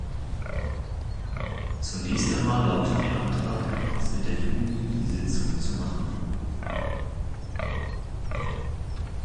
Zunächst einmal lautet Ihr Antrag, das in der Juni-I-Sitzung zu machen.